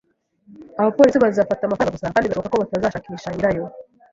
Abapolisi bazafata amafaranga gusa kandi birashoboka ko batazashakisha nyirayo.